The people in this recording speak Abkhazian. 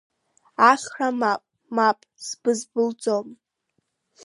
Ахра мап, мап, сбызбылӡом!